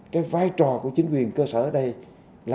cái vai trò của chính quyền cấp viện này là